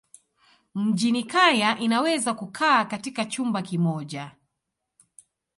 Mjini kaya inaweza kukaa katika chumba kimoja.